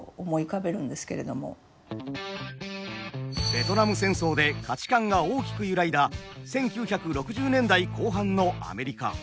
べトナム戦争で価値観が大きく揺らいだ１９６０年代後半のアメリカ。